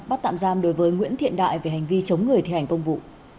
bắt tạm giam đối với nguyễn thiện đại về hành vi chống người thi hành công vụ